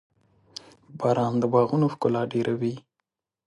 • باران د باغونو ښکلا ډېروي.